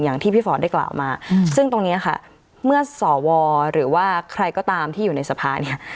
อย่างที่พี่ฟอร์ตได้กล่าวมาซึ่งตรงเนี้ยค่ะเมื่อสวหรือว่าใครก็ตามที่อยู่ในสภาเนี่ย